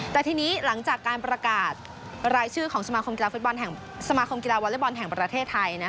แต่ทีนี้หลังจากการประกาศรายชื่อของสมาคมกีฬาวอลเล็ตบอลแห่งประเทศไทย